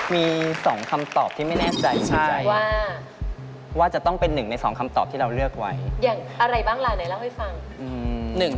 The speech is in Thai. มี๒คำตอบที่ไม่แน่ใจว่าจะต้องเป็นหนึ่งในสองคำตอบที่เราเลือกไว้อย่างอะไรบ้างล่ะไหนเล่าให้ฟัง